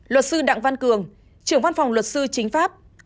luật sư đặng văn cường trưởng văn phòng luật sư chính pháp